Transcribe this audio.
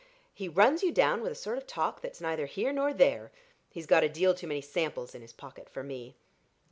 "He runs you down with a sort of talk that's neither here nor there. He's got a deal too many samples in his pocket for me."